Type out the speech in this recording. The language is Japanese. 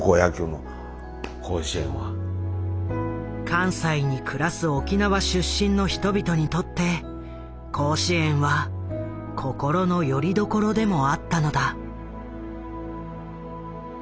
関西に暮らす沖縄出身の人々にとって甲子園は心のよりどころでもあったのだ。